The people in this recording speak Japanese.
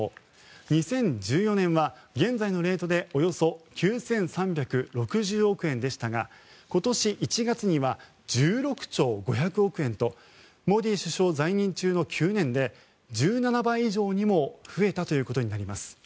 ２０１４年は現在のレートでおよそ９３６０億円でしたが今年１月には１６兆５００億円とモディ首相在任中の９年で１７倍以上にも増えたということになります。